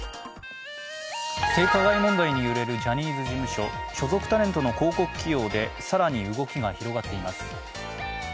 性加害問題に揺れるジャニーズ事務所所属タレントの広告起用で更に動きが広がっています。